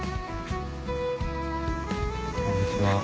こんにちは。